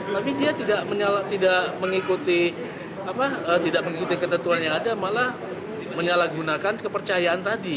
tapi dia tidak mengikuti ketentuan yang ada malah menyalahgunakan kepercayaan tadi